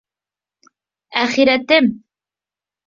— Әхирәтем!